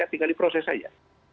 tinggal diproses saja